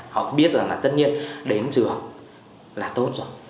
họ biết là tất nhiên đến trường là tốt rồi